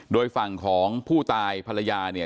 โดยฝั่งของผู้ตายภรรยาเนี่ย